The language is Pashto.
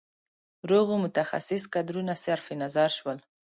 روغو متخصص کدرونه صرف نظر شول.